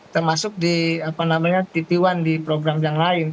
termasuk di apa namanya di t satu di program yang lain